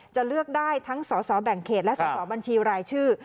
จะเลือกได้ทั้งสสแบ่งเขตและสสบัญชีรายชื่อ